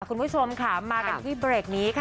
คุณผู้ชมค่ะมากันที่เบรกนี้ค่ะ